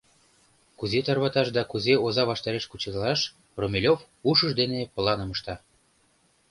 Кузе тарваташ да кузе оза ваштареш кучедалаш, Румелёв ушыж дене планым ышта.